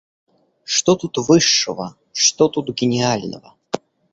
Что тут высшего, что тут гениального?